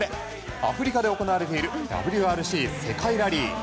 アフリカで行われているＷＲＣ・世界ラリー。